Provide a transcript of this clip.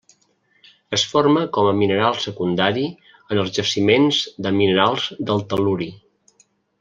Es forma com a mineral secundari en els jaciments de minerals del tel·luri.